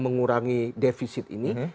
mengurangi defisit ini